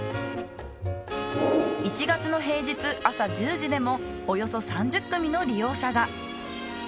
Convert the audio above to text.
１月の平日朝１０時でもおよそ３０組の利用者が。